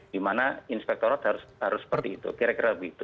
dimana inspektorat harus seperti itu kira kira begitu